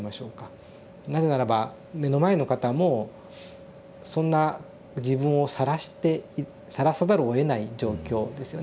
なぜならば目の前の方もそんな自分をさらしてさらさざるをえない状況ですよね。